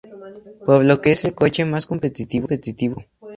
Por lo que es el coche más competitivo del juego.